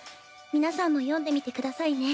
皆さんも読んでみてくださいね。